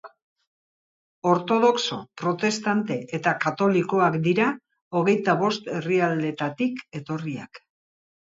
Ortodoxo, protestante eta katolikoak dira, hogeita bost herrialdetatik etorriak.